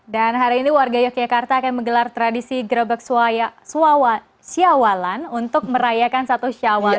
dan hari ini warga yogyakarta akan menggelar tradisi grebek syawalan untuk merayakan satu syawal